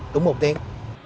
đúng một tiếng